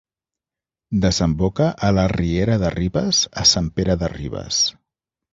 Desemboca a la riera de Ribes a Sant Pere de Ribes.